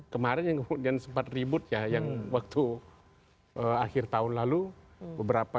kemarin yang kemudian sempat ribut ya yang waktu akhir tahun lalu beberapa